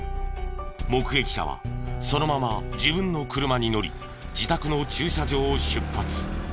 目撃者はそのまま自分の車に乗り自宅の駐車場を出発。